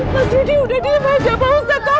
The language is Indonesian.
mas rudy udah dilepaskan